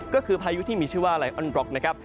ก็คือพายุที่มีชื่อว่าไลออนบล็อกนะครับ